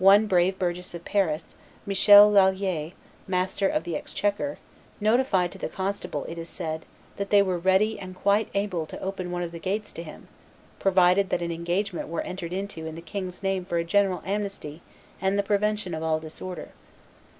One brave burgess of Paris, Michel Laillier, master of the exchequer, notified to the constable, it is said, that they were ready and quite able to open one of the gates to him, provided that an engagement were entered into in the king's name for a general amnesty and the prevention of all disorder.